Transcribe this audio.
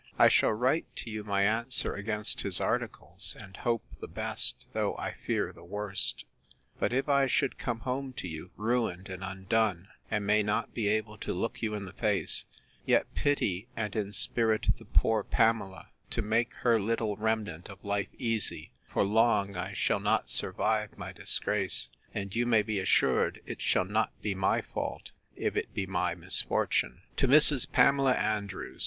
I shall write to you my answer against his articles; and hope the best, though I fear the worst. But if I should come home to you ruined and undone, and may not be able to look you in the face; yet pity and inspirit the poor Pamela, to make her little remnant of life easy; for long I shall not survive my disgrace: and you may be assured it shall not be my fault, if it be my misfortune. 'To MRS. PAMELA ANDREWS.